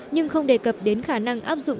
nhưng không đề cập đến khả năng áp dụng